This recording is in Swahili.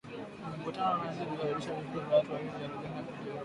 kwenye mkutano wa wananchi zilisababisha vifo vya watu wawili na darzeni kujeruhiwa